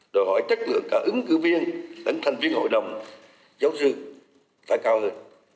đòi hỏi chất lượng cả ứng cử viên đánh thành viên hội đồng giáo sư phải cao hơn